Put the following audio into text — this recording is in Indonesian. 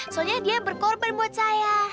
soalnya dia berkorban buat saya